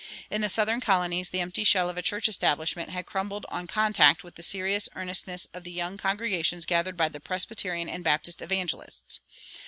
In the southern colonies, the empty shell of a church establishment had crumbled on contact with the serious earnestness of the young congregations gathered by the Presbyterian and Baptist evangelists.